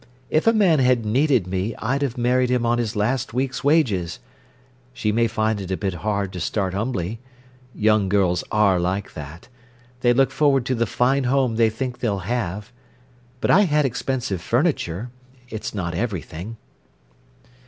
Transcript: If a man had needed me I'd have married him on his last week's wages. She may find it a bit hard to start humbly. Young girls are like that. They look forward to the fine home they think they'll have. But I had expensive furniture. It's not everything."